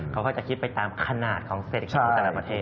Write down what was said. เขาก็จะคิดไปตามขนาดของเซตอัพจากละประเทศ